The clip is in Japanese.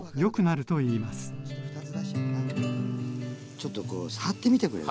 ちょっとこう触ってみてくれる？